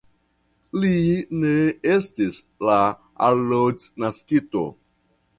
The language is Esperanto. Li ne estus la alodnaskito!